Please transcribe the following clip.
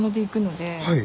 はい。